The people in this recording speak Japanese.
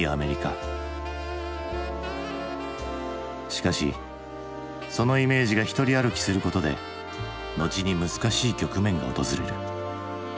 しかしそのイメージが独り歩きすることで後に難しい局面が訪れる。